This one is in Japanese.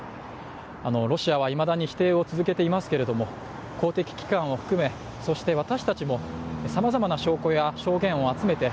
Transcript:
ロシアはいまだに否定を続けていますけれども、公的機関を含め、そして私たちもさまざまな証言や証拠を集めて